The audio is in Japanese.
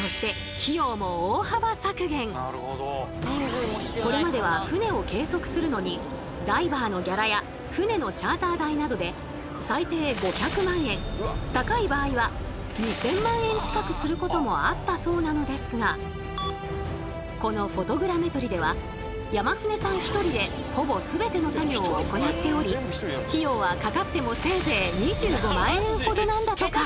そしてこれまでは船を計測するのにダイバーのギャラや船のチャーター代などで最低５００万円高い場合は２，０００万円近くすることもあったそうなのですがこのフォトグラメトリでは山舩さん１人でほぼ全ての作業を行っており費用はかかってもせいぜい２５万円ほどなんだとか。